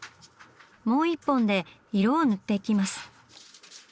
もう１本で色を塗っていきます。